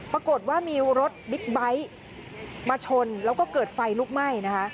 ปรากฏว่ามีรถบิ๊กไบท์มาชนแล้วก็เกิดไฟลุกไหม้นะคะ